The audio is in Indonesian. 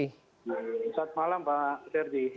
selamat malam pak ferdi